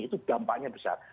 itu dampaknya besar